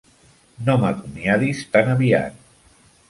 No m'acomiadis tan aviat!